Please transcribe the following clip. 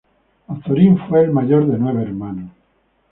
Azorín fue el mayor de nueve hermanos.